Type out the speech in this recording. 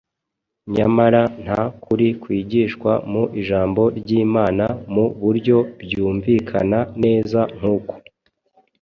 nyamara nta kuri kwigishwa mu ijambo ry’Imana mu buryo byumvikana neza nk’uku.